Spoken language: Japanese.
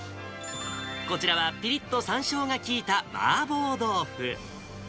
こちらはぴりっとさんしょうが効いた麻婆豆腐。